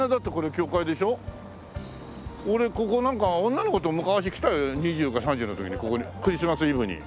俺ここなんか女の子と昔来たよ２０か３０の時にここにクリスマスイブに。